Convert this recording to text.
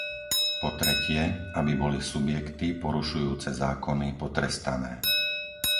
po tretie, aby boli subjekty porušujúce zákony potrestané;